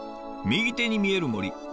右手に見える森。